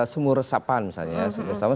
semua resapan misalnya